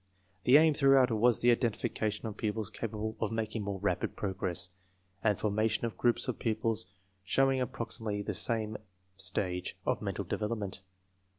The aim throughout was the identification of pupils capable of making more rapid progress, and the formation of groups of pupils showing approximately the same stage of mental development.